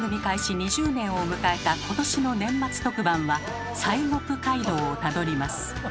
２０年を迎えた今年の年末特番は「西国街道」をたどります。